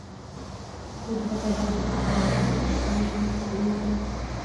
Удгъэбэлэрыгъакъым, - жаӏащ бажэм и тхьэкӏумитӏым.